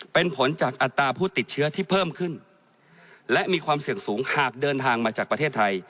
เป็นผลจากอัตราผู้ติดเชื้อที่เพิ่มขึ้นและมีความเสี่ยงสูงหากเดินทางมาจากประเทศไทย